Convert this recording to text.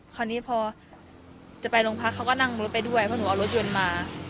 คราวนี้พอจะไปโรงพักเขาก็นั่งรถไปด้วยเพราะหนูเอารถยนต์มา